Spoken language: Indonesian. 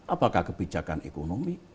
apakah kebijakan ekonomi